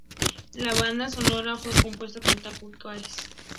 La banda sonora fue compuesta por Taku Iwasaki.